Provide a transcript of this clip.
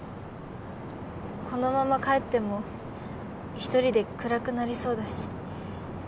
このまま帰っても一人で暗くなりそうだし。